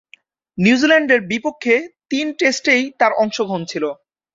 নিউজিল্যান্ডের বিপক্ষে তিন টেস্টেই তার অংশগ্রহণ ছিল।